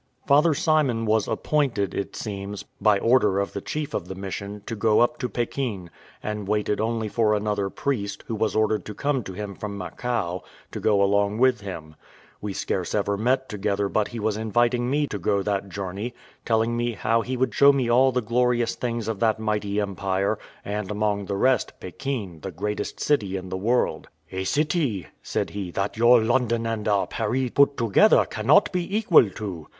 Father Simon was appointed, it seems, by order of the chief of the mission, to go up to Pekin, and waited only for another priest, who was ordered to come to him from Macao, to go along with him. We scarce ever met together but he was inviting me to go that journey; telling me how he would show me all the glorious things of that mighty empire, and, among the rest, Pekin, the greatest city in the world: "A city," said he, "that your London and our Paris put together cannot be equal to."